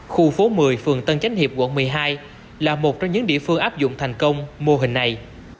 khu phố một mươi phường tân chánh hiệp quận một mươi hai là một trong những địa phương áp dụng thành công mô hình này